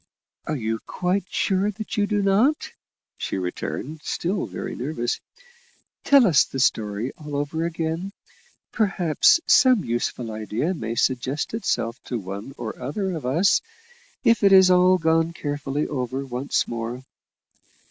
"Are you quite sure that you do not?" she returned, still very nervously. "Tell us the story all over again; perhaps some useful idea may suggest itself to one or other of us, if it is all gone carefully over once more."